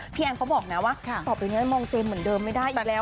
แอนเขาบอกนะว่าต่อไปนี้มองเจมสเหมือนเดิมไม่ได้อีกแล้ว